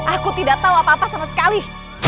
aku tidak tahu apa apa sama sekali